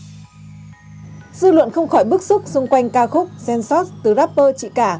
dư luận không khỏi bức xúc xung quanh ca khúc gensos từ rapper chị cả